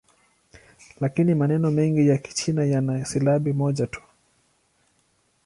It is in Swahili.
Lakini maneno mengi ya Kichina yana silabi moja tu.